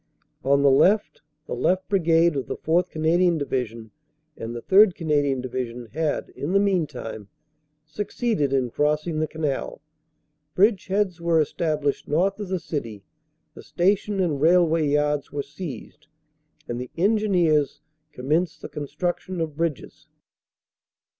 "On the left, the left Brigade of the 4th. Canadian Divi sion and the 3rd. Canadian Division had, in the meantime, succeeded in crossing the canal. Bridgeheads were estab lished north of the city, the station and railway yards were seized, and the Engineers commenced the construction of bridges.